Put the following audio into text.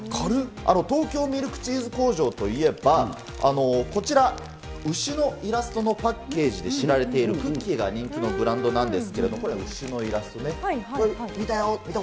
東京ミルクチーズ工場といえば、こちら、牛のイラストのパッケージで知られているクッキーが人気のブランドなんですけれども、これ牛のイラストね、これ、見たよ、見たこ